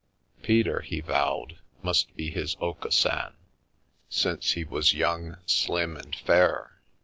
Peter, he vowed, must be his Aucassin, since he was young, slim, and fair.